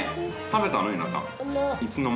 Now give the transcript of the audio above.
食べたの？